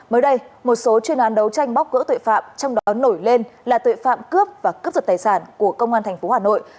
mới đây một số chuyên án đấu tranh bóc gỡ tội phạm trong đó nổi lên là tội phạm cướp và cướp giật tài sản của công an tp hà nội